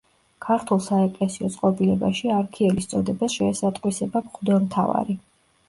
ქართულ საეკლესიო წყობილებაში არქიელის წოდებას შეესატყვისება „მღვდელმთავარი“.